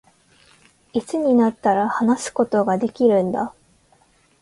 いつになったら、話すことができるんだ